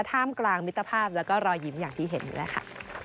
ท่ามกลางมิตรภาพแล้วก็รอยยิ้มอย่างที่เห็นอยู่แล้วค่ะ